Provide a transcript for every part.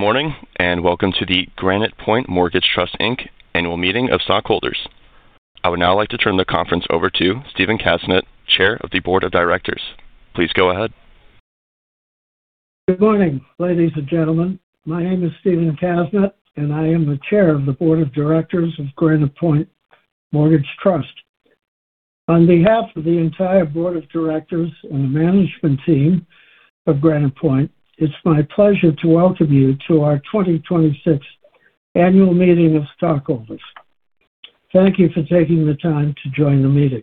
Good morning, welcome to the Granite Point Mortgage Trust Inc. Annual Meeting of Stockholders. I would now like to turn the conference over to Stephen Kasnet, Chair of the Board of Directors. Please go ahead. Good morning, ladies and gentlemen. My name is Stephen Kasnet, and I am the Chair of the Board of Directors of Granite Point Mortgage Trust. On behalf of the entire board of directors and the management team of Granite Point, it's my pleasure to welcome you to our 2026 Annual Meeting of Stockholders. Thank you for taking the time to join the meeting.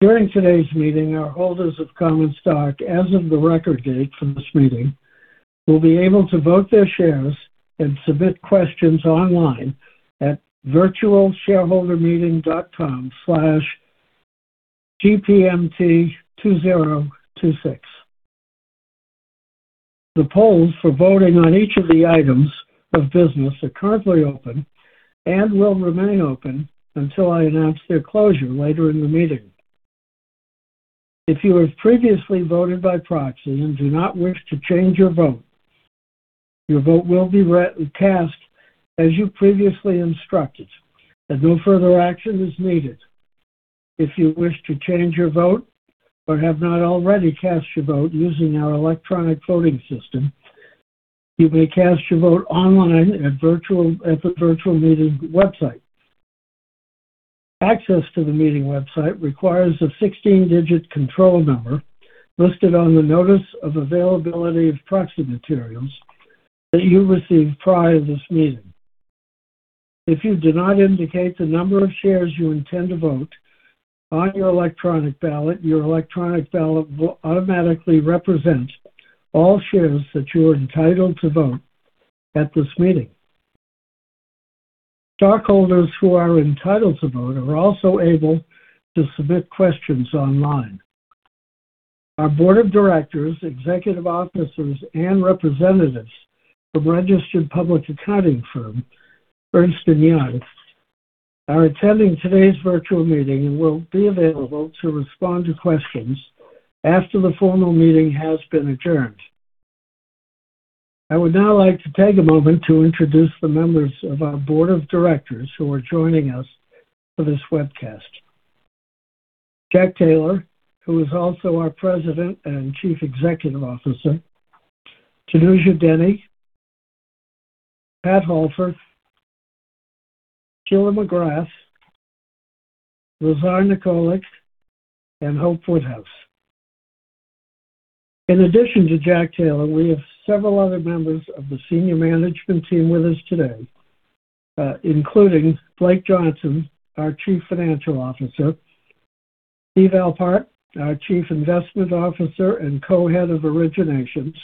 During today's meeting, our holders of common stock as of the record date for this meeting will be able to vote their shares and submit questions online at virtualshareholdermeeting.com/gpmt2026. The polls for voting on each of the items of business are currently open and will remain open until I announce their closure later in the meeting. If you have previously voted by proxy and do not wish to change your vote, your vote will be cast as you previously instructed, and no further action is needed. If you wish to change your vote or have not already cast your vote using our electronic voting system, you may cast your vote online at the virtual meeting website. Access to the meeting website requires a 16-digit control number listed on the Notice of Availability of Proxy Materials that you received prior to this meeting. If you do not indicate the number of shares you intend to vote on your electronic ballot, your electronic ballot will automatically represent all shares that you are entitled to vote at this meeting. Stockholders who are entitled to vote are also able to submit questions online. Our board of directors, executive officers, and representatives from registered public accounting firm, Ernst & Young, are attending today's virtual meeting and will be available to respond to questions after the formal meeting has been adjourned. I would now like to take a moment to introduce the members of our board of directors who are joining us for this webcast. Jack Taylor, who is also our President and Chief Executive Officer, Tanuja Dehne, Pat Holford, Sheila McGrath, Lazar Nikolic, and Hope Woodhouse. In addition to Jack Taylor, we have several other members of the senior management team with us today, including Blake Johnson, our Chief Financial Officer, Steve Alpart, our Chief Investment Officer and Co-Head of Originations,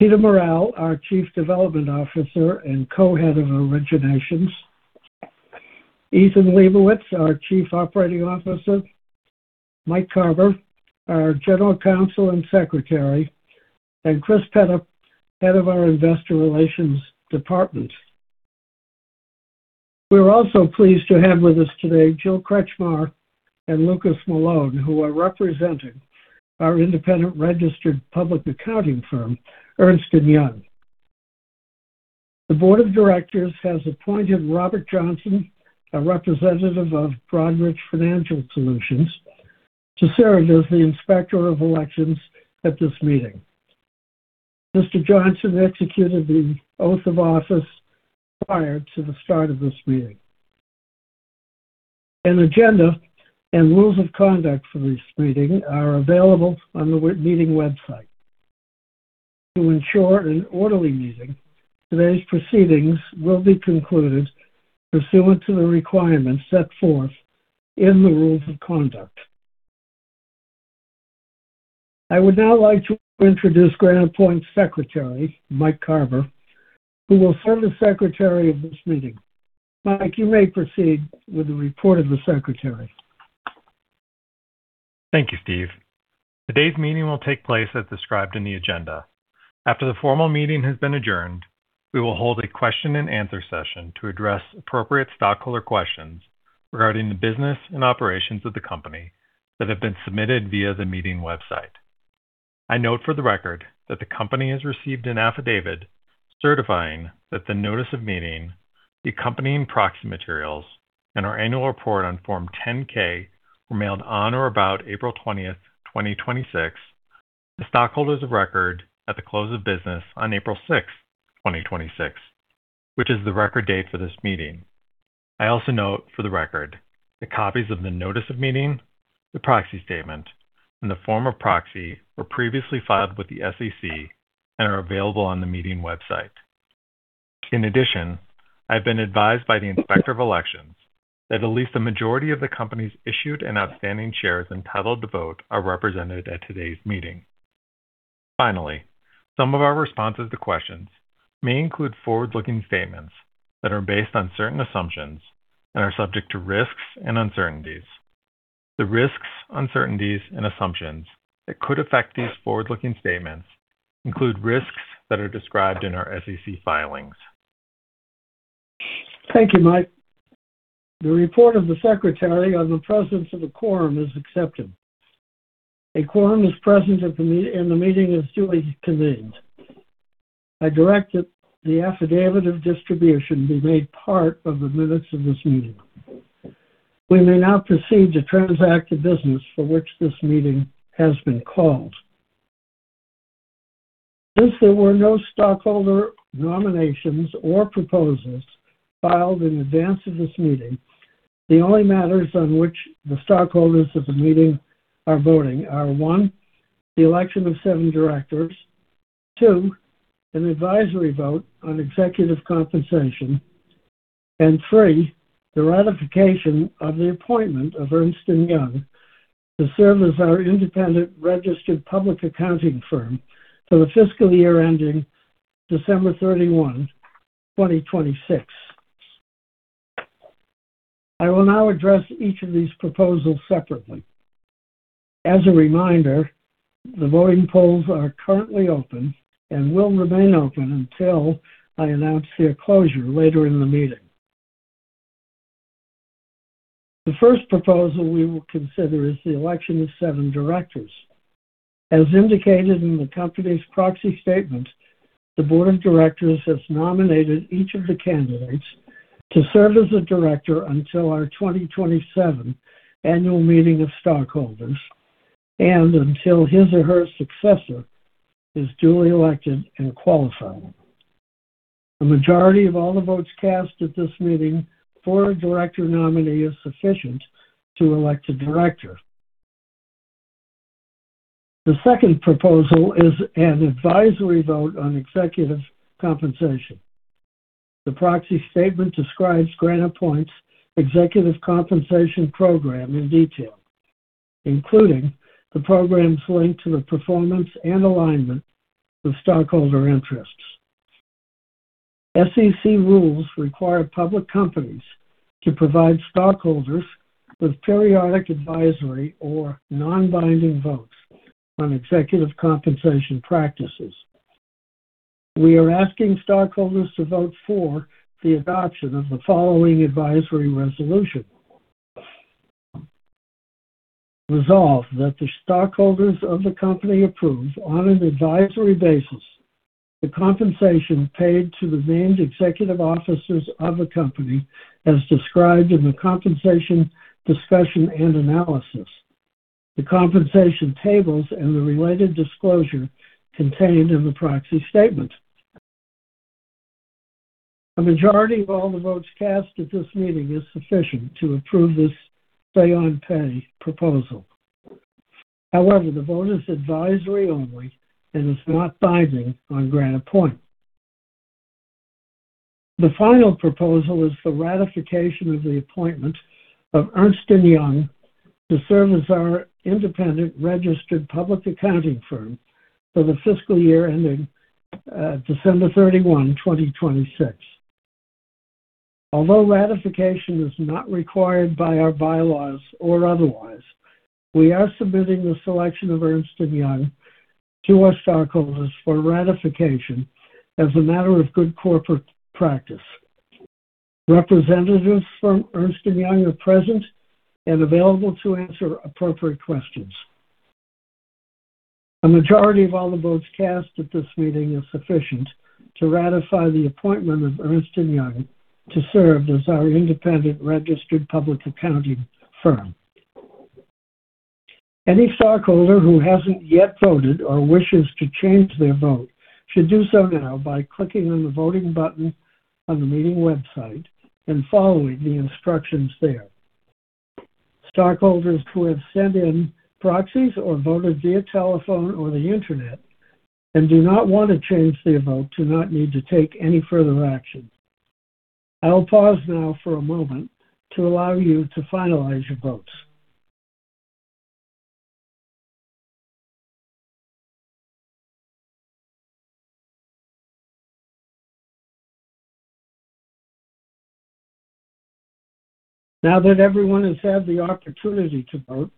Peter Morral, our Chief Development Officer and Co-Head of Originations, Ethan Lebowitz, our Chief Operating Officer, Mike Karber, our General Counsel and Secretary, and Chris Petta, Head of our Investor Relations Department. We are also pleased to have with us today Jill Kretchmar and Lucas Malone, who are representing our independent registered public accounting firm, Ernst & Young. The board of directors has appointed Robert Johnson, a representative of Broadridge Financial Solutions, to serve as the Inspector of Elections at this meeting. Mr. Johnson executed the oath of office prior to the start of this meeting. An agenda and rules of conduct for this meeting are available on the meeting website. To ensure an orderly meeting, today's proceedings will be concluded pursuant to the requirements set forth in the rules of conduct. I would now like to introduce Granite Point's Secretary, Mike Karber, who will serve as Secretary of this meeting. Mike, you may proceed with the report of the Secretary. Thank you, Steve. Today's meeting will take place as described in the agenda. After the formal meeting has been adjourned, we will hold a question and answer session to address appropriate stockholder questions regarding the business and operations of the company that have been submitted via the meeting website. I note for the record that the company has received an affidavit certifying that the notice of meeting, the accompanying proxy materials, and our annual report on Form 10-K were mailed on or about April 20th, 2026 to stockholders of record at the close of business on April 6th, 2026, which is the record date for this meeting. I also note for the record that copies of the notice of meeting, the proxy statement, and the form of proxy were previously filed with the SEC and are available on the meeting website. I have been advised by the Inspector of Elections that at least a majority of the company's issued and outstanding shares entitled to vote are represented at today's meeting. Some of our responses to questions may include forward-looking statements that are based on certain assumptions and are subject to risks and uncertainties. The risks, uncertainties, and assumptions that could affect these forward-looking statements include risks that are described in our SEC filings Thank you, Mike. The report of the Secretary on the presence of a quorum is accepted. A quorum is present, and the meeting is duly convened. I direct that the affidavit of distribution be made part of the minutes of this meeting. We may now proceed to transact the business for which this meeting has been called. Since there were no stockholder nominations or proposals filed in advance of this meeting, the only matters on which the stockholders of the meeting are voting are, one, the election of seven directors, two, an advisory vote on executive compensation, and three, the ratification of the appointment of Ernst & Young to serve as our independent registered public accounting firm for the fiscal year ending December 31, 2026. I will now address each of these proposals separately. As a reminder, the voting polls are currently open and will remain open until I announce their closure later in the meeting. The first proposal we will consider is the election of seven directors. As indicated in the company's proxy statement, the board of directors has nominated each of the candidates to serve as a director until our 2027 annual meeting of stockholders and until his or her successor is duly elected and qualified. A majority of all the votes cast at this meeting for a director nominee is sufficient to elect a director. The second proposal is an advisory vote on executive compensation. The proxy statement describes Granite Point's executive compensation program in detail, including the programs linked to the performance and alignment of stockholder interests. SEC rules require public companies to provide stockholders with periodic advisory or non-binding votes on executive compensation practices. We are asking stockholders to vote for the adoption of the following advisory resolution. Resolve that the stockholders of the company approve, on an advisory basis, the compensation paid to the named executive officers of the company as described in the Compensation Discussion and Analysis, the compensation tables, and the related disclosure contained in the proxy statement. A majority of all the votes cast at this meeting is sufficient to approve this say on pay proposal. The vote is advisory only and is not binding on Granite Point. The final proposal is for ratification of the appointment of Ernst & Young to serve as our independent registered public accounting firm for the fiscal year ending December 31, 2026. Ratification is not required by our bylaws or otherwise, we are submitting the selection of Ernst & Young to our stockholders for ratification as a matter of good corporate practice. Representatives from Ernst & Young are present and available to answer appropriate questions. A majority of all the votes cast at this meeting is sufficient to ratify the appointment of Ernst & Young to serve as our independent registered public accounting firm. Any stockholder who hasn't yet voted or wishes to change their vote should do so now by clicking on the voting button on the meeting website and following the instructions there. Stockholders who have sent in proxies or voted via telephone or the internet and do not want to change their vote do not need to take any further action. I will pause now for a moment to allow you to finalize your votes. Now that everyone has had the opportunity to vote,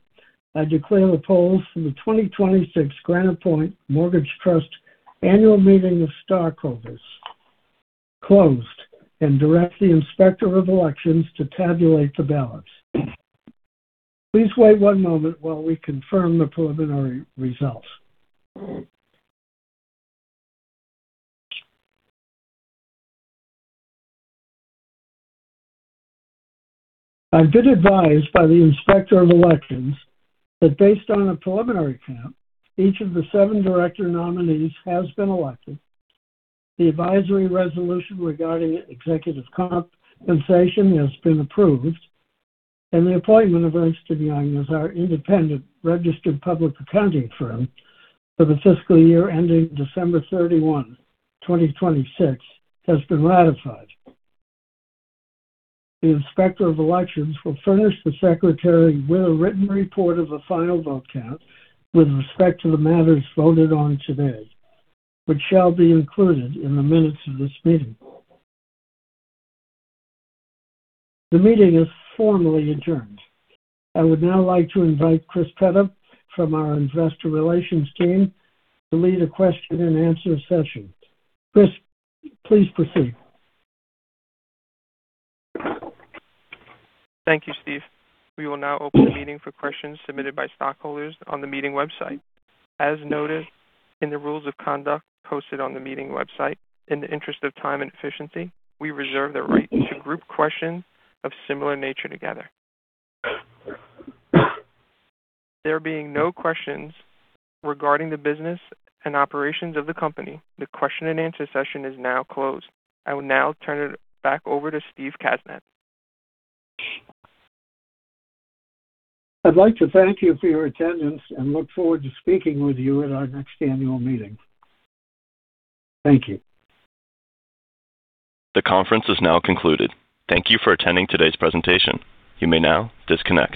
I declare the polls for the 2026 Granite Point Mortgage Trust annual meeting of stockholders closed and direct the Inspector of Elections to tabulate the ballots. Please wait one moment while we confirm the preliminary results. I've been advised by the Inspector of Elections that based on a preliminary count, each of the seven director nominees has been elected, the advisory resolution regarding executive compensation has been approved, and the appointment of Ernst & Young as our independent registered public accounting firm for the fiscal year ending December 31, 2026, has been ratified. The Inspector of Elections will furnish the Secretary with a written report of the final vote count with respect to the matters voted on today, which shall be included in the minutes of this meeting. The meeting is formally adjourned. I would now like to invite Chris Petta from our investor relations team to lead a question and answer session. Chris, please proceed. Thank you, Stephen. We will now open the meeting for questions submitted by stockholders on the meeting website. As noted in the rules of conduct posted on the meeting website, in the interest of time and efficiency, we reserve the right to group questions of similar nature together. There being no questions regarding the business and operations of the company, the question and answer session is now closed. I will now turn it back over to Stephen Kasnet. I'd like to thank you for your attendance and look forward to speaking with you at our next annual meeting. Thank you. The conference is now concluded. Thank you for attending today's presentation. You may now disconnect.